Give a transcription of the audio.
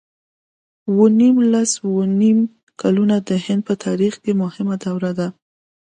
اووه نېم لس اووه نېم کلونه د هند په تاریخ کې مهمه دوره ده.